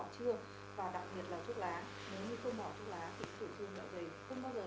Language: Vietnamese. nhiều tố nguy cơ